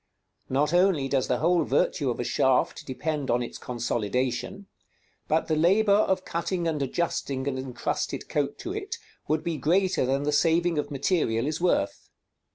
Not only does the whole virtue of a shaft depend on its consolidation, but the labor of cutting and adjusting an incrusted coat to it would be greater than the saving of material is worth.